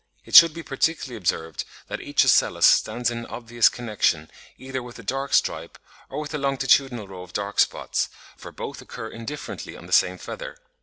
It should be particularly observed that each ocellus stands in obvious connection either with a dark stripe, or with a longitudinal row of dark spots, for both occur indifferently on the same feather.